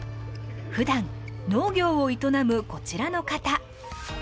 ふだん農業を営むこちらの方。